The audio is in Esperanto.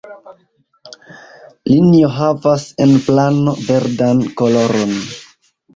Linio havas en plano verdan koloron.